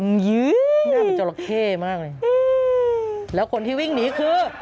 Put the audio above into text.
นี่แม่ตัวเหล้าเห้มากเลยแล้วคนที่วิ่งหนีคือ